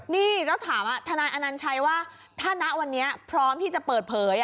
นี่แล้วถามทนายอนัญชัยว่าถ้าณวันนี้พร้อมที่จะเปิดเผย